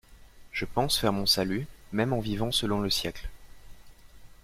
Je pense faire mon salut, même en vivant selon le siècle.